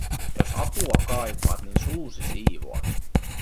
- Jos apua kaipaat, niin suusi siivoat.